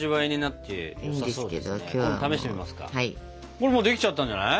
これもうできちゃったんじゃない？